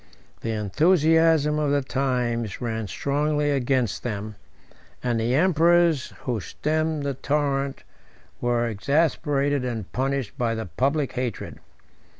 The enthusiasm of the times ran strongly against them; and the emperors who stemmed the torrent were exasperated and punished by the public hatred.